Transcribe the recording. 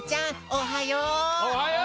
おはよう！